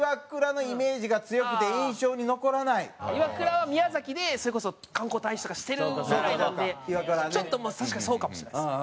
イワクラは宮崎でそれこそ観光大使とかしてるぐらいなんでちょっと確かにそうかもしれないですね。